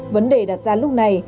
vấn đề đặt ra lúc này